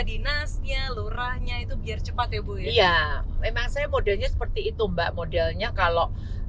dinasnya lurahnya itu biar cepat ya bu ya memang saya modelnya seperti itu mbak modelnya kalau